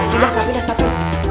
udah udah satu